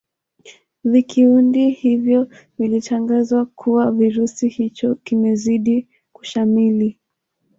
vikiundi hivyo vilitangaza kuwa kirusi hicho kimezidi kushamili